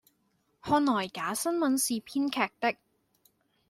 看來假新聞是編劇的